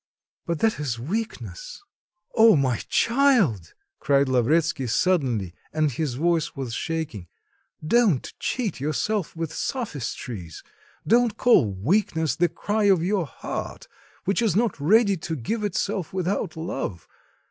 But that is weakness." "O my child!" cried Lavretsky suddenly, and his voice was shaking, "don't cheat yourself with sophistries, don't call weakness the cry of your heart, which is not ready to give itself without love.